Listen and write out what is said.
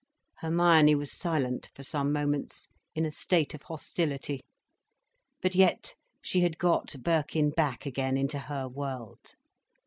Hermione was silent for some moments, in a state of hostility. But yet, she had got Birkin back again into her world!